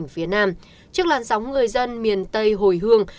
phía nam trước làn sóng người dân miền tây hồi hương